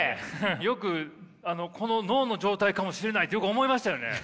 よくこの脳の状態かもしれないってよく思いましたよね。